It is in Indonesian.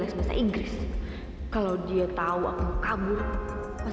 apa sekalian ongkosnya